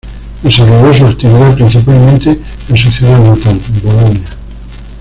Desarrolló su actividad principalmente en su ciudad natal, Bolonia.